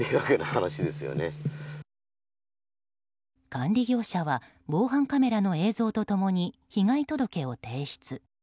管理業者は防犯カメラの映像と共に被害届を提出。